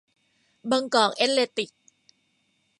บางกอกเอธเลติก